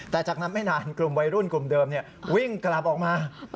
แต่จากนั้นไม่นานกลุ่มวัยรุ่นกลุ่มเดิมวิ่งกลับออกมา